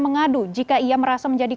mengadu jika ia merasa menjadi